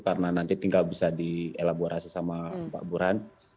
karena nanti tinggal bisa di elaborasi sama pak burhan